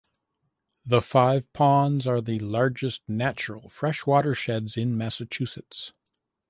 The five ponds are the largest natural fresh watersheds in Massachusetts.